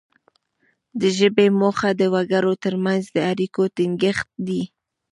د ژبې موخه د وګړو ترمنځ د اړیکو ټینګښت دی